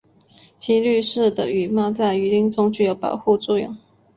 其绿色的羽毛在雨林中具有保护作用。